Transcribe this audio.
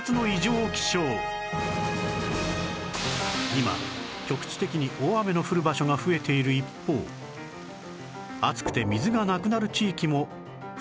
今局地的に大雨の降る場所が増えている一方暑くて水がなくなる地域も増えているという